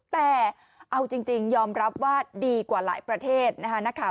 แต่เอาจริงยอมรับว่าดีกว่าหลายประเทศนะคะ